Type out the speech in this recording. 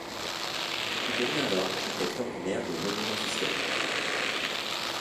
Il devient alors architecte ordinaire des Monuments Historiques.